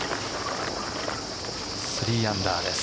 ３アンダーです。